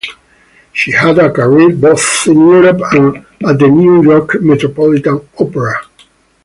She had a career both in Europe and at the New York Metropolitan Opera.